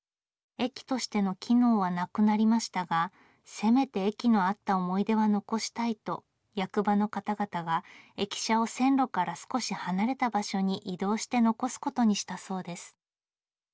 駅としての機能はなくなりましたがせめて駅のあった思い出は残したいと役場の方々が駅舎を線路から少し離れた場所に移動して残すことにしたそうです。